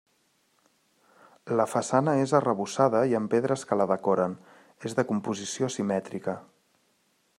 La façana és arrebossada i amb pedres que la decoren, és de composició simètrica.